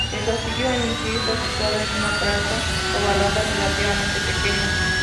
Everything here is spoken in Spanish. El castillo en sí está situado en una plaza ovalada relativamente pequeña.